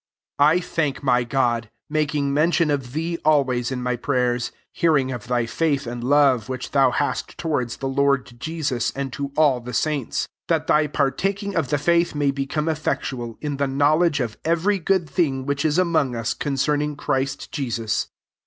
4 1 THANK my God, making mention of thee always in my prayers, 5 (hearing of thy faith and love, which Uiou hast to wards the Lord Jesus, and to all the saints,) 6 that thy partak ing of the faith may become effectual in the knowledge of every good thing which is among us concerning Christ Jesus.